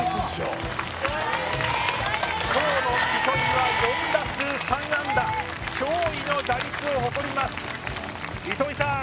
今日の糸井は４打数３安打驚異の打率を誇ります糸井さん